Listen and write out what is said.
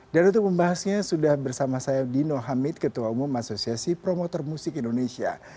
dan untuk pembahasnya sudah bersama saya dino hamid ketua umum asosiasi promoter musik indonesia